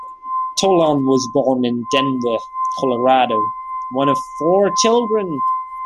Tolan was born in Denver, Colorado, one of four children.